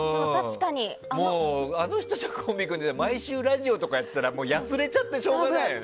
あの人とコンビ組んで毎週ラジオとかやってたらやつれちゃってしょうがないよね。